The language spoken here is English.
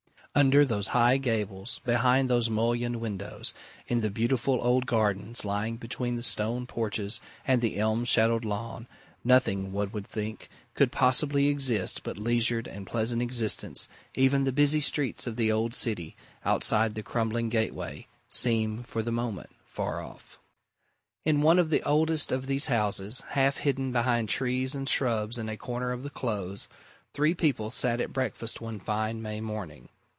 Under those high gables, behind those mullioned windows, in the beautiful old gardens lying between the stone porches and the elm shadowed lawn, nothing, one would think, could possibly exist but leisured and pleasant existence: even the busy streets of the old city, outside the crumbling gateway, seem, for the moment, far off. In one of the oldest of these houses, half hidden behind trees and shrubs in a corner of the Close, three people sat at breakfast one fine May morning.